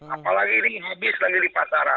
apalagi ini habis lagi di pasaran